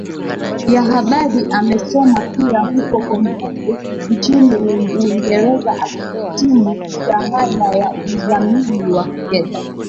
ya Habari Amesoma pia huko Coventry nchini Uingereza akihitimu Shahada ya Uzamili ya Fedha